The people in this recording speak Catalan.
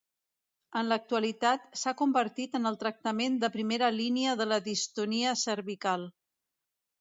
En l'actualitat, s'ha convertit en el tractament de primera línia de la distonia cervical.